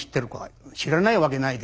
知らないわけないですよね。